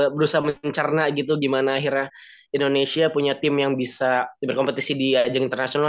berusaha mencerna gitu gimana akhirnya indonesia punya tim yang bisa berkompetisi di ajang internasional